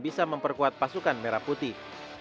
bisa memperkuat pasukan merah putih